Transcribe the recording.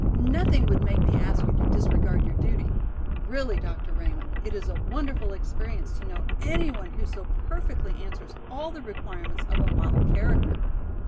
"Nothing would make me ask you to disregard your duty. Really Dr. Raymond, it is a wonderful experience to know any one who so perfectly answers all the requirements of a model character.